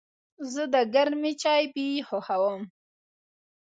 زه د گرمې چای بوی خوښوم.